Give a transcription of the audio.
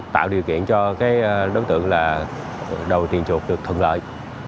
tạo điều kiện cho đối tượng là đầu tiền chuột được thuận lợi